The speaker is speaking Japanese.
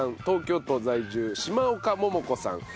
東京都在住島岡桃子さん。